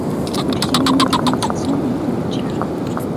Originalmente fue una sección en Oh Yeah!